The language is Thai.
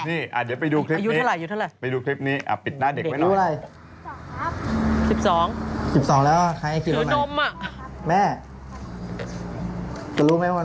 นี่อ่าเดี๋ยวไปดูคลิปนี้อายุเท่าไรอยู่เท่าไร